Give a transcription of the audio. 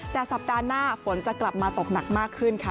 แต่สัปดาห์หน้าฝนจะกลับมาตกหนักมากขึ้นค่ะ